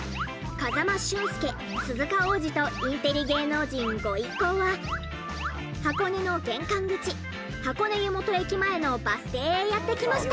風間俊介鈴鹿央士とインテリ芸能人ご一行は箱根の玄関口箱根湯本駅前のバス停へやって来ました。